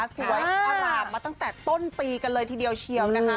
สวยอร่ามมาตั้งแต่ต้นปีกันเลยทีเดียวเชียวนะคะ